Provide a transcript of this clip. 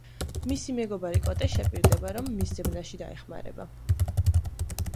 მისი მეგობარი კოტე შეპირდება, რომ მის ძებნაში დაეხმარება.